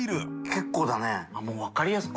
結構だね。